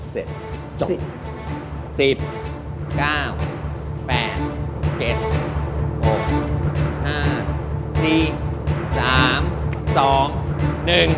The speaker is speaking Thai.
เสร็จ